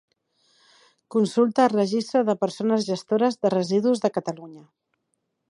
Consulta al registre de persones gestores de residus de Catalunya.